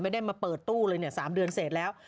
ไม่ได้มาเปิดตู้เลยเนี่ย๓เดือนเสร็จแล้ว